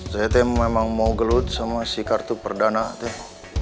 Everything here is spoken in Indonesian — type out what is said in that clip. setem memang mau gelut sama si kartu perdana teh